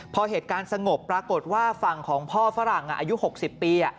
พอเหตุการณ์สงบปรากฏว่าฝั่งของพ่อฝรั่งอายุ๖๐ปี